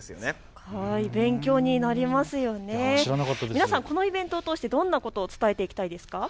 皆さん、このイベントを通してどういったことを伝えていきたいですか？